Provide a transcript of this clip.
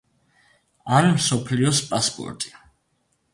ან მსოფლიოს პასპორტი.